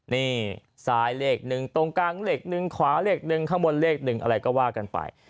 นี่ซ้ายเลขหนึ่งตรงกลางเลขหนึ่งขวาเลขหนึ่งข้างบนเลขหนึ่งอะไรก็ว่ากันไป